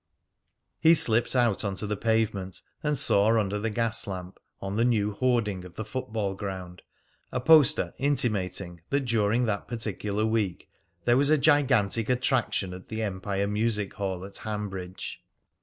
He slipped out on to the pavement, and saw, under the gas lamp, on the new hoarding of the football ground, a poster intimating that during that particular week there was a gigantic attraction at the Empire Music Hall at Hanbridge.